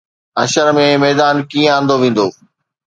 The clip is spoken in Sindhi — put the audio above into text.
حشر ۾ ميدان ڪيئن آندو ويندو؟